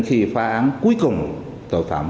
khi phá án cuối cùng tội phạm